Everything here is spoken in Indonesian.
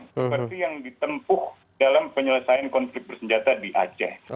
seperti yang ditempuh dalam penyelesaian konflik bersenjata di aceh